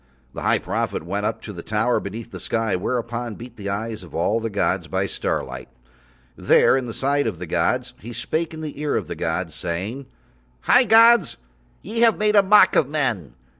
The High Prophet went up to the Tower beneath the sky whereupon beat the eyes of all the gods by starlight. There in the sight of the gods he spake in the ear of the gods, saying: "High gods! Ye have made mock of men.